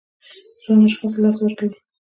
ځوان اشخاص له لاسه ورکوي.